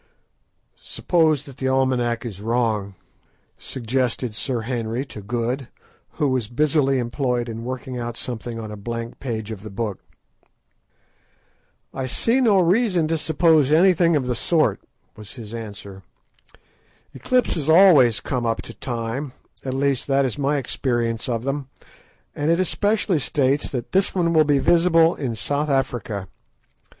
"Suppose that the almanack is wrong," suggested Sir Henry to Good, who was busily employed in working out something on a blank page of the book. "I see no reason to suppose anything of the sort," was his answer. "Eclipses always come up to time; at least that is my experience of them, and it especially states that this one will be visible in South Africa.